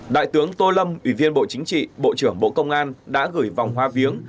đại tướng tô lâm ủy viên bộ chính trị bộ trưởng bộ công an đã gửi vòng hoa viếng